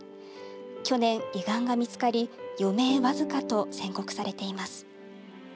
去年、胃がんが見つかり余命僅かと宣告されています。